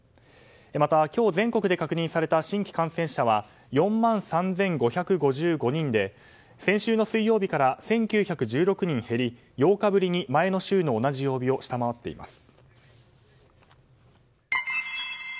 また今日、全国で確認された新規感染者は４万３５５５人で先週の水曜日から１９１６人減り８日ぶりに前の週の同じ曜日を下回っています。